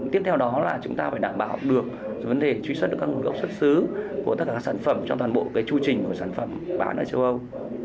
tiếp theo đó là chúng ta phải đảm bảo được vấn đề truy xuất được các nguồn gốc xuất xứ của tất cả các sản phẩm trong toàn bộ cái chu trình của sản phẩm bán ở châu âu